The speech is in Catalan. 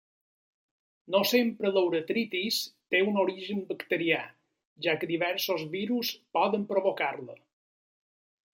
No sempre la uretritis té un origen bacterià, ja que diversos virus poden provocar-la.